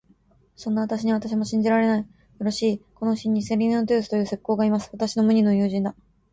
そんなに私を信じられないならば、よろしい、この市にセリヌンティウスという石工がいます。私の無二の友人だ。